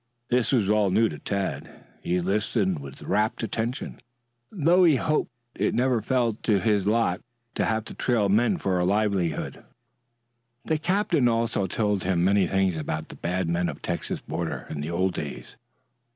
This was all new to Tad. He listened with rapt attention, though he hoped it never might fall to his lot to have to trail men for a livelihood. The captain also told him many things about the bad men of the Texas border in the old days.